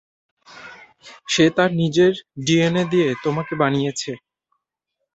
সে তার নিজের ডিএনএ দিয়ে তোমাকে বানিয়েছে।